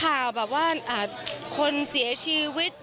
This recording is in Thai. ข่าวแบบว่าคนเสียชีวิต